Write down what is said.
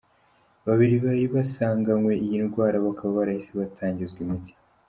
Babiri bari basanganywe iyi ndwara bakaba barahise batangizwa imiti.